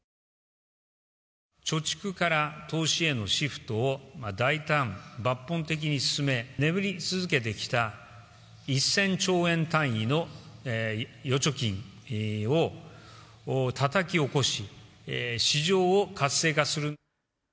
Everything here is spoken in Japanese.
貯蓄から投資へのシフトを大胆・抜本的に進め、眠り続けてきた１０００兆円単位の預貯金をたたき起こし、市場を活性化する。